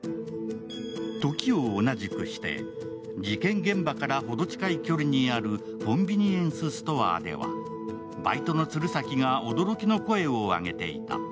時を同じくして事件現場から程近い距離にあるコンビニエンスストアではバイトの鶴崎が驚きの声を上げていた。